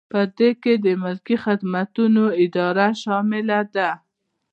په دې کې د ملکي خدمتونو اداره شامله ده.